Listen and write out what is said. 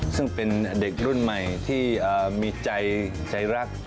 ซึ่งเป็นเด็กรุ่นใหม่ที่มีใจรัก